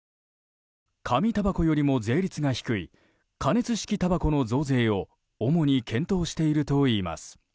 紙たばこよりも税率が低い加熱式たばこの増税を主に検討しているといいます。